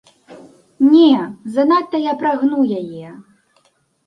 Не, занадта я прагну яе.